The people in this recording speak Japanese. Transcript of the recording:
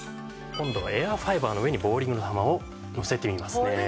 今度はエアファイバーの上にボウリングの球をのせてみますね。